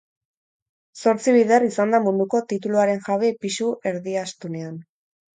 Zortzi bider izan da munduko tituluaren jabe pisu erdiastunean.